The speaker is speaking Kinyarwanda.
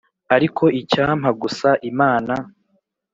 Ariko icyampa gusa imana